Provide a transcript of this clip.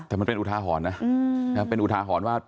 แต่มันเป็นอุทาหรณ์นะเป็นอุทาหรณ์ว่า